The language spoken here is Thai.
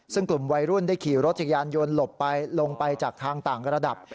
ซึ่งกลุ่มวัยรุ่นได้ขี่รถจักรยานยนต์หลบไปลงไปจากทางต่างระดับ